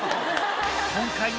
今回の。